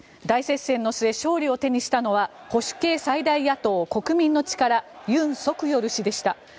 大接戦の末、勝利を手にしたのは保守系最大野党・国民の力ユン・ソクヨル氏でした。